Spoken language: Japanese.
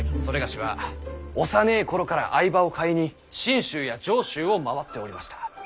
某は幼ぇ頃から藍葉を買いに信州や上州を回っておりました。